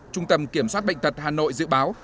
trung tâm kiểm soát bệnh tật hà nội dự báo